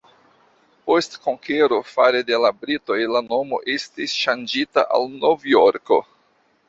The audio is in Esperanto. Post konkero fare de la britoj la nomo estis ŝanĝita al Novjorko.